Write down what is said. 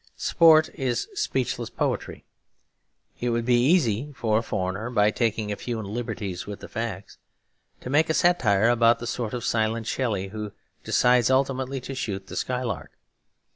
Sport is speechless poetry. It would be easy for a foreigner, by taking a few liberties with the facts, to make a satire about the sort of silent Shelley who decides ultimately to shoot the skylark.